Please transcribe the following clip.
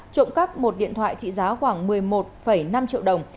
trộm cắp một điện thoại trị giá khoảng một mươi một năm triệu đồng